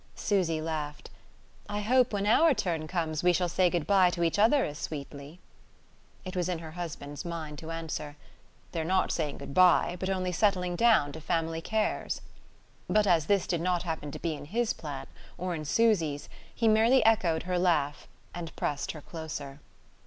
Susy laughed. "I hope when our turn comes we shall say good bye to each other as sweetly." It was in her husband's mind to answer: "They're not saying good bye, but only settling down to family cares." But as this did not happen to be in his plan, or in Susy's, he merely echoed her laugh and pressed her closer.